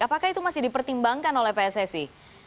apakah itu masih dipertimbangkan oleh pssi